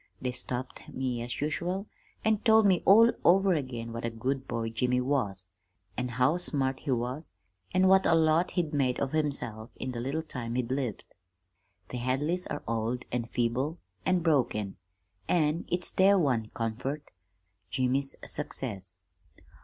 They stopped me as usual, an' told me all over again what a good boy Jimmy was, an' how smart he was, an' what a lot he'd made of himself in the little time he'd lived. The Hadleys are old an' feeble an' broken, an' it's their one comfort Jimmy's success."